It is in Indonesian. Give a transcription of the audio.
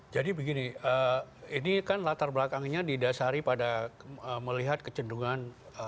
jadi begini ini kan latar belakangnya didasari pada melihat kecenderungan